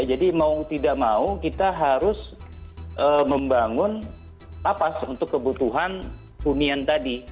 mau tidak mau kita harus membangun lapas untuk kebutuhan hunian tadi